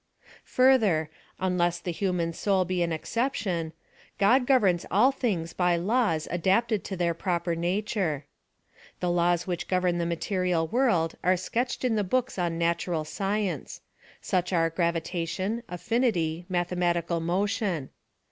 88 PHILOSOPHY OF THE Further ; unless the human soul be an exceptioii, God governs all things by laws adapted to theii proper nature The laws which govern the mate rial world are sketched in the books on natural science ; such are gravitation, affinity, mathematical motion.